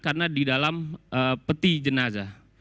karena di dalam peti jenazah